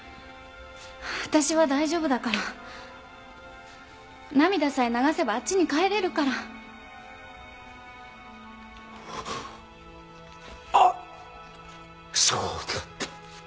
私は大丈夫だから涙さえ流せばあっちに帰れるからあっそうだった！